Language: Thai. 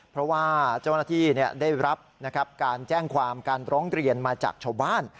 เพราะว่าเจ้าหน้าที่ได้รับการแจ้งความการร้องเรียนมาจากชาวบ้าน